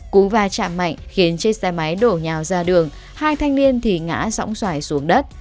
cú va chạm mạnh khiến chiếc xe máy đổ nhào ra đường hai thanh niên thì ngã sỏng xoài xuống đất